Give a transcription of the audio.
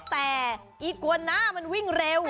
แต่อีกวนหน้ามันวิ่งเร็ว